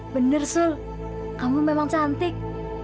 benar sul kamu memang cantik